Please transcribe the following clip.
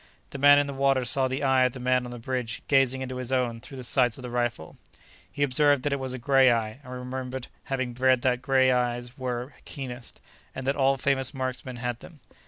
The man in the water saw the eye of the man on the bridge gazing into his own through the sights of the rifle. He observed that it was a gray eye and remembered having read that gray eyes were keenest, and that all famous marksmen had them.